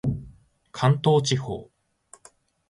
関東地方